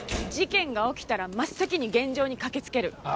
事件が起きたら真っ先に現場に駆けつける。